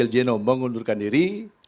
jino mengundurkan diri